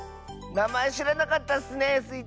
なまえしらなかったッスねスイ